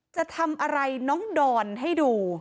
จะทำอะไรน้องดอนให้ดู